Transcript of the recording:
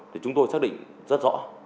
thì chúng tôi xác định rất rõ